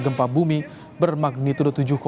gempa bumi bermagnitur tujuh dua